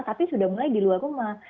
tapi sudah mulai di luar rumah